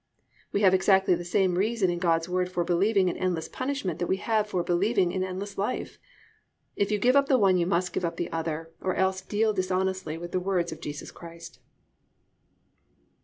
We have exactly the same reason in God's Word for believing in endless punishment that we have for believing in endless life. If you give up the one you must give up the other, or else deal dishonestly with the words of Jesus Christ.